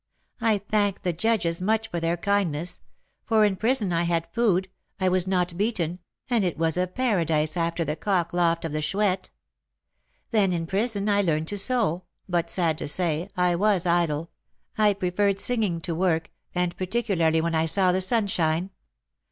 I thank the judges much for their kindness; for in prison I had food, I was not beaten, and it was a paradise after the cock loft of the Chouette. Then, in prison I learned to sew; but, sad to say, I was idle: I preferred singing to work, and particularly when I saw the sun shine.